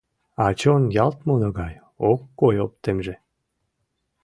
А чон ялт муно гай, ок кой оптемже.